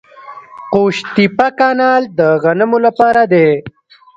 قوش تیپه کانال د غنمو لپاره دی.